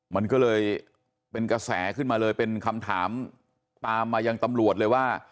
มันก็เลยเป็นกระแสขึ้นมาเลยเป็นคำถามตามมายังตำรวจเลยว่า